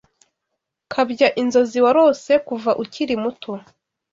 Kabya inzozi warose kuva ukiri muto